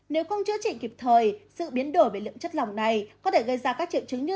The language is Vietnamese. nếu không chữa trị kịp thời sự biến đổi về lượng chất lỏng này có thể gây ra các triệu chứng như